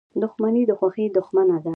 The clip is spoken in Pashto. • دښمني د خوښۍ دښمنه ده.